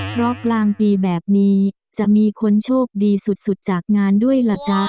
เพราะกลางปีแบบนี้จะมีคนโชคดีสุดจากงานด้วยล่ะจ๊ะ